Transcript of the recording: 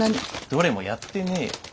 どれもやってねえよ。